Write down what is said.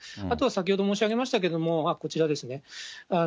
あとは先ほど申し上げましたけれども、こちらですね。